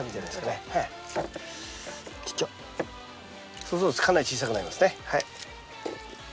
そうするとかなり小さくなりますね。